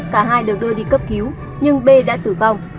cả hai được đưa đi cấp cứu nhưng b đã tử vong